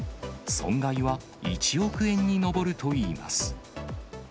損害は１億円に上るといいます。